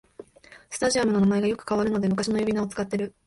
スタジアムの名前がよく変わるので昔の呼び名を使ってる